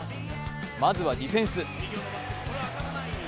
まずはディフェンス。